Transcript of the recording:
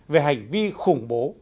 về hành vi khủng bố